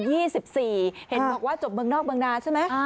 เห็นบอกว่าจบเมืองนอกเมืองนาใช่ไหม